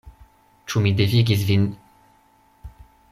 Ĉu mi devigis vin —?